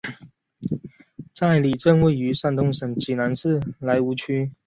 寨里镇位于山东省济南市莱芜区。